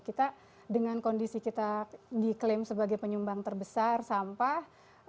kita dengan kondisi kita diklaim sebagai penyumbang terbesar sampah